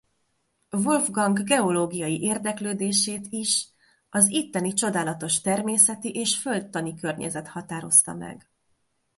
Wolfgang geológiai érdeklődését is az itteni csodálatos természeti és földtani környezet határozta meg.